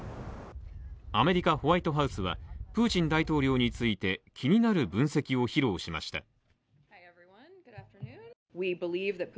アメリカホワイトハウスはプーチン大統領について気になる分析を披露しました。